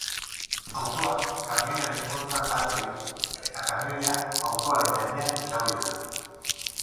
Autoak kamioiaren kontra talka egin du, eta kamioia autoaren gainera irauli da.